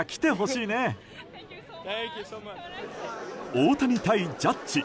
大谷対ジャッジ。